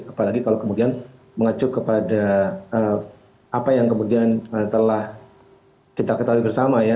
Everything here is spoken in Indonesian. apalagi kalau kemudian mengacu kepada apa yang kemudian telah kita ketahui bersama ya